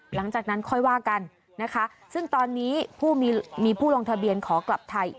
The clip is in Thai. หลังจากนั้นค่อยว่ากันนะคะซึ่งตอนนี้ผู้มีผู้ลงทะเบียนขอกลับไทย